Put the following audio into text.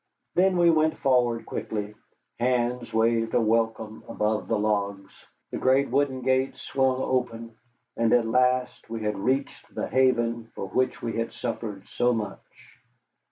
Then we went forward quickly, hands waved a welcome above the logs, the great wooden gates swung open, and at last we had reached the haven for which we had suffered so much.